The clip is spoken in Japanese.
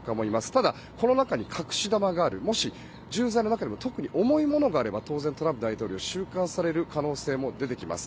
ただこの中に隠し玉がありもし重罪の中に特に重いものがあればトランプ大統領は収監される可能性も出てきます。